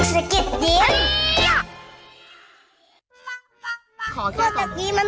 สะกิดยิ้ม